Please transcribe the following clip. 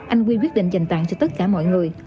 anh quy quyết định dành tặng cho tất cả mọi người